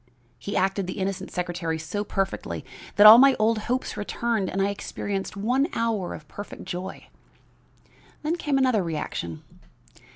he acted the innocent secretary so perfectly that all my old hopes returned and I experienced one hour of perfect joy. Then came another reaction.